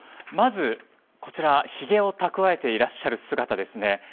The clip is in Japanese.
まず、ひげをたくわえていらっしゃる姿ですね。